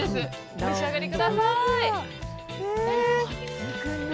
お召し上がりください。